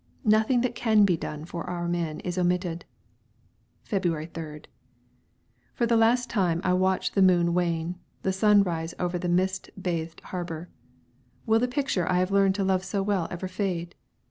Nothing that can be done for our men is omitted. February 3rd. For the last time I watch the moon wane, the sun rise over the mist bathed harbour. Will the picture I have learned to love so well ever fade?